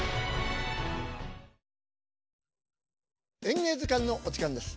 「演芸図鑑」のお時間です。